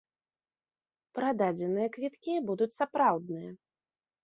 Прададзеныя квіткі будуць сапраўдныя.